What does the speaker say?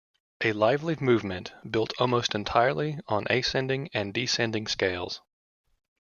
A lively movement built almost entirely on ascending and descending scales.